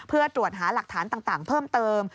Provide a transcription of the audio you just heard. เพื่อตรวจหาหลักฐานต่างเพิ่มเติม